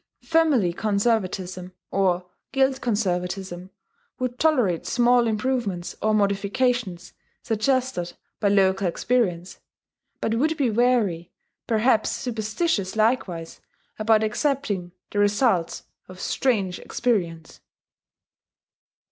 Family conservatism or guild conservatism would tolerate small improvements or modifications suggested by local experience, but would be wary, perhaps superstitious likewise, about accepting the results of strange experience.